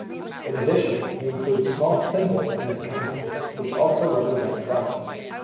In addition, he includes small "symbols" in his canvases which also represent sounds.